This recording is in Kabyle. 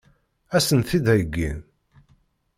Ad sen-t-id-heggin?